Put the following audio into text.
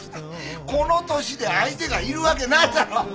この年で相手がいるわけないだろう！